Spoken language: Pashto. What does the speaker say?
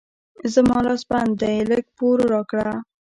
زما لاس بند دی؛ لږ پور راکړه.